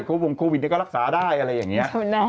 วงโควิดก็รักษาได้อะไรอย่างนี้